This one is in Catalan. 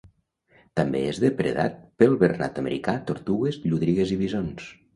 També és depredat pel bernat americà, tortugues, llúdrigues i visons.